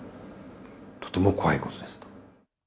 とても怖いことですと。